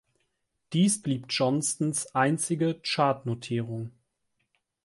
Dies blieb Johnstons einzige Chartnotierung.